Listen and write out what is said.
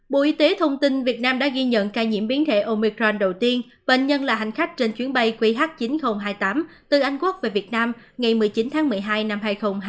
bộ y tế thông tin việt nam đã ghi nhận ca nhiễm biến thể omicram đầu tiên bệnh nhân là hành khách trên chuyến bay qh chín nghìn hai mươi tám từ anh quốc về việt nam ngày một mươi chín tháng một mươi hai năm hai nghìn hai mươi ba